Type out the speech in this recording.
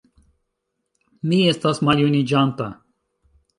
Mi estas maljuniĝanta.